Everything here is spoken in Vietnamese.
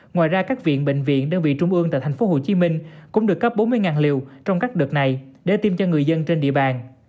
ngoài ra các viện bệnh viện đơn vị trung ương tại thành phố hồ chí minh cũng được cấp bốn mươi liều trong các đợt này để tiêm cho người dân trên địa bàn